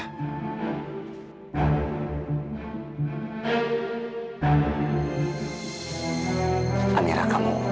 kenapa saya mau bilang kalau dia adalah anak saya